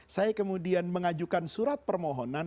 saya kemudian mengajukan surat permohonan